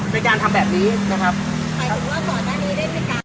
เป็นการทำแบบนี้นะครับใครถึงว่าส่วนด้านนี้ได้เป็นการ